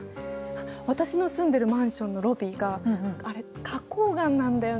私の住んでるマンションのロビーがあれ花こう岩なんだよね多分。